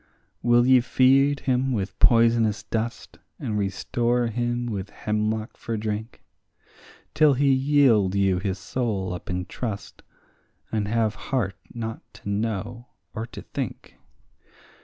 Will ye feed him with poisonous dust, and restore him with hemlock for drink, Till he yield you his soul up in trust, and have heart not to know or to think?